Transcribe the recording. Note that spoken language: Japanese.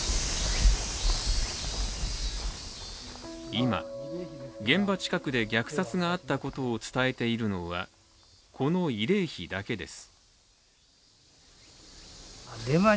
今、現場近くで虐殺があったことを伝えているのはこの慰霊碑だけです。